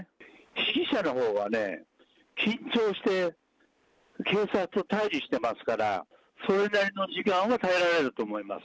被疑者のほうはね、緊張して警察と対じしてますから、それなりの時間は耐えられると思います。